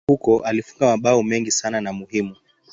Akiwa huko alifunga mabao mengi sana na muhimu.